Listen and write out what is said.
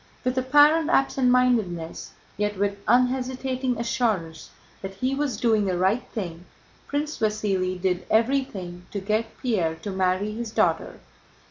With apparent absent mindedness, yet with unhesitating assurance that he was doing the right thing, Prince Vasíli did everything to get Pierre to marry his daughter.